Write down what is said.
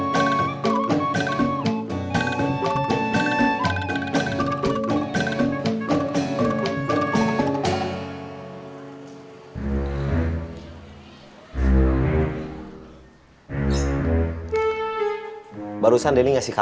saya harap sudah nangis